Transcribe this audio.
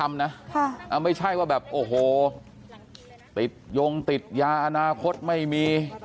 ไม่ใช่ว่าแบบโอ้โหติดยงติดยาอนาคตไม่มี